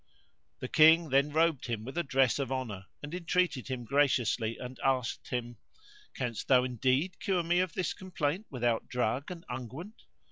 The King then robed him with a dress of honour and entreated him graciously and asked him, "Canst thou indeed cure me of this complaint without drug and unguent?"